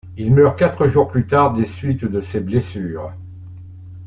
Il meurt quatre jours plus tard des suites de ses blessures.